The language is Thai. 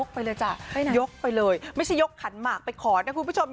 ไปยกไปเลยไม่ใช่ยกขันหมักไปขอนะครูผู้ชม